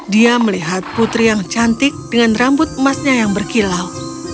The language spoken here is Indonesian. dia melihat putri yang cantik dengan rambut emasnya yang berkilau